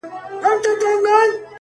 پر څنگه بلا واوښتې جاناناه سرگردانه-